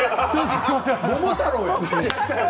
桃太郎よ。